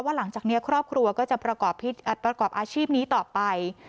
หลังจากนี้ครอบครัวก็จะประกอบอาชีพนี้ต่อไป